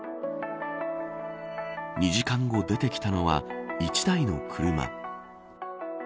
２時間後出てきたのは１台の車。